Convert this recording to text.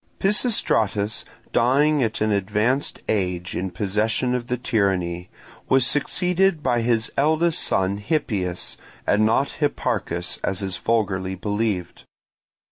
Pisistratus dying at an advanced age in possession of the tyranny, was succeeded by his eldest son, Hippias, and not Hipparchus, as is vulgarly believed.